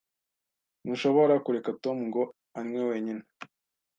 Ntushobora kureka Tom ngo anywe wenyine.